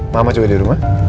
mama juga di rumah